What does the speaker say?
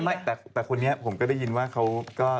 ไม่แต่คนนี้ผมก็ได้ยินว่าเขาก็